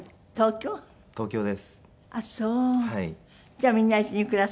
じゃあみんな一緒に暮らせるの？